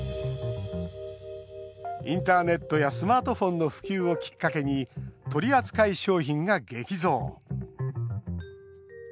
インターネットやスマートフォンの普及をきっかけに取り扱い商品が激増。